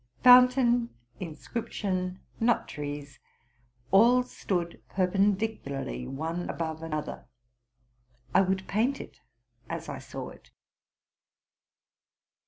Fountain, inscription, nut trees, all stood perpendicularly, one above another: I would paint it as I saw it.